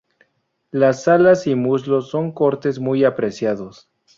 Las alas y muslos son cortes muy apreciados.